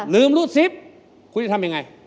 รูดซิปคุณจะทำยังไง